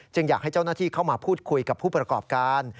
อยากให้เจ้าหน้าที่เข้ามาพูดคุยกับผู้ประกอบการ